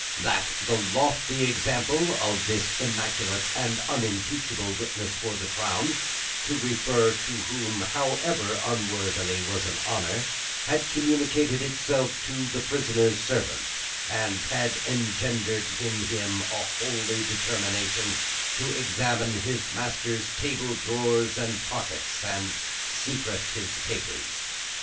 That, the lofty example of this immaculate and unimpeachable witness for the Crown, to refer to whom however unworthily was an honour, had communicated itself to the prisoner's servant, and had engendered in him a holy determination to examine his master's table drawers and pockets, and secrete his papers.